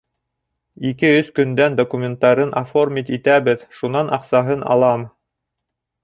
Ике-өс көндән документтарын оформить итәбеҙ, шунан аҡсаһын алам.